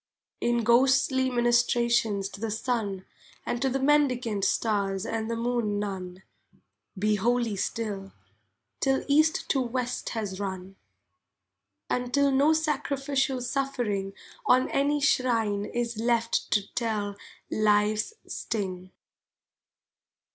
In ghostly ministrations to the sun, And to the mendicant stars and the moon nun, Be holy still, till East to West has run, And till no sacrificial suffering On any shrine is left to tell life's sting.